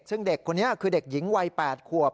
ซึ่งเด็กคนนี้คือเด็กหญิงวัย๘ขวบ